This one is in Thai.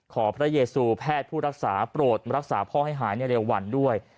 พระเยซูแพทย์ผู้รักษาโปรดรักษาพ่อให้หายในเร็ววันด้วย